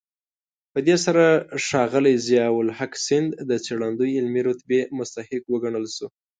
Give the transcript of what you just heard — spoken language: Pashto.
په دې سره ښاغلی ضياءالحق سیند د څېړندوی علمي رتبې مستحق وګڼل شو.